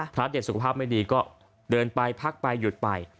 เด็ดสุขภาพไม่ดีก็เดินไปพักไปหยุดไป